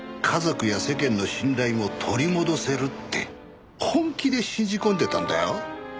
家族や世間の信頼も取り戻せるって本気で信じ込んでたんだよ。